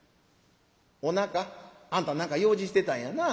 『お仲あんた何か用事してたんやな』。